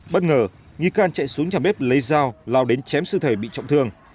bất ngờ nghị càn chạy xuống nhà bếp lấy dao lao đến chém sư thầy bị trọng thương